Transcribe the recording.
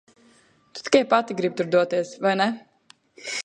Tu tikai pati gribi tur doties, vai ne?